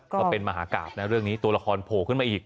ก็เป็นมหากราบนะเรื่องนี้ตัวละครโผล่ขึ้นมาอีก